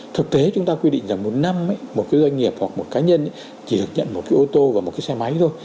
thực tế chúng ta quy định rằng một năm một cái doanh nghiệp hoặc một cá nhân chỉ được nhận một cái ô tô và một cái xe máy thôi